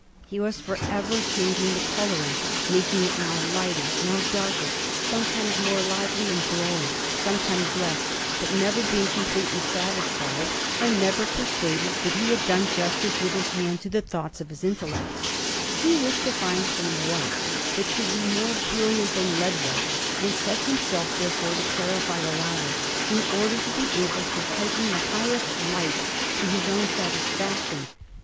He was for ever changing the colouring, making it now lighter, now darker, and sometimes more lively and glowing, sometimes less; but, never being completely satisfied, and never persuaded that he had done justice with his hand to the thoughts of his intellect, he wished to find a white that should be more brilliant than lead white, and set himself, therefore, to clarify the latter, in order to be able to heighten the highest light to his own satisfaction.